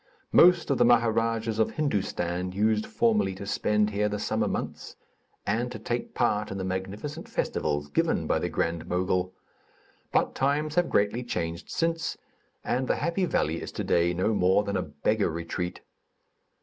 Most of the Maharadjas of Hindustan used formerly to spend here the summer months, and to take part in the magnificent festivals given by the Grand Mogul; but times have greatly changed since, and the happy valley is today no more than a beggar retreat.